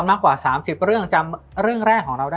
มันทำให้ชีวิตผู้มันไปไม่รอด